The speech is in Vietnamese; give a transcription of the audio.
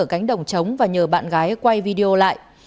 cánh đồng trống và nhờ bạn gái quay video lại